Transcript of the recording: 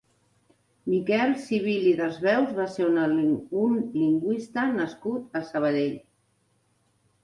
Miquel Civil i Desveus va ser un lingüista nascut a Sabadell.